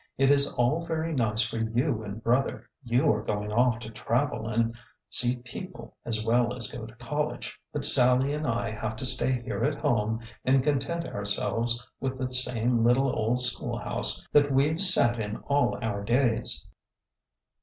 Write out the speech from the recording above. It is all very nice for you and brother— you are going off to travel and sec people as well as go to college. But Sallie and I have to stay here at home and content ourselves with the same little old school house that we Ve sat in all our days